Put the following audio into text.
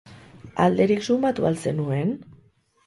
Alderik sumatu al zenuen?